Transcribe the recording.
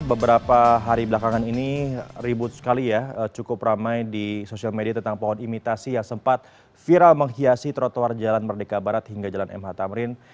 beberapa hari belakangan ini ribut sekali ya cukup ramai di sosial media tentang pohon imitasi yang sempat viral menghiasi trotoar jalan merdeka barat hingga jalan mh tamrin